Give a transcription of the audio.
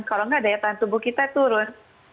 kalau nggak daya tahan tubuh kita turun